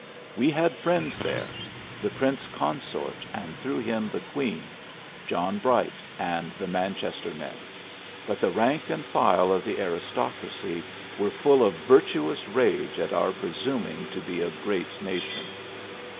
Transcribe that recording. We had friends there: the Prince Consort, and through him the Queen ; John Bright and the Manches ter men. But the rank and file of the aristocracy were ftdl of virtuous rage at our presuming to be a great nation.